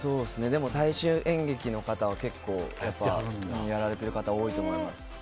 大衆演劇の方は結構やられている方多いと思います。